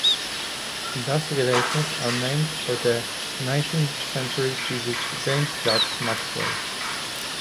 These relations are named for the nineteenth-century physicist James Clerk Maxwell.